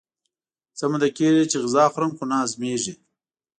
څه موده کېږي چې غذا خورم خو نه هضمېږي.